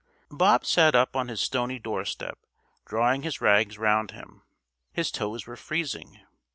Bob sat up on his stony doorstep, drawing his rags around him. His toes were freezing.